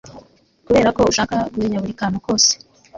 Kubera ko ushaka kumenya buri kantu kose